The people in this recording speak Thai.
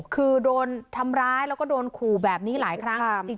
คือโดนทำร้ายแล้วก็โดนขู่แบบนี้หลายครั้ง